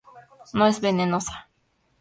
No es venenosa.